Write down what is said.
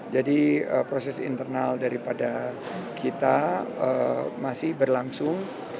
jadi proses internal daripada kita masih berlangsung